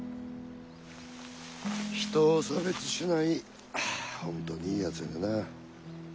人を差別しない本当にいいやつでな。